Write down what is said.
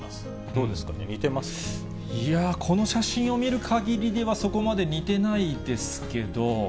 どうですかね、いや、この写真を見るかぎりでは、そこまで似てないですけど。